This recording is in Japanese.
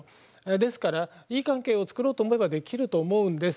ですからいい関係を作ろうと思えばできると思うんです。